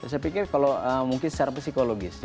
saya pikir kalau mungkin secara psikologis